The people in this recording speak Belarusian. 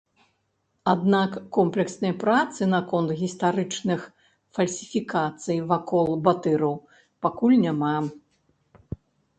Аднак комплекснай працы наконт гістарычных фальсіфікацый вакол батыраў пакуль няма.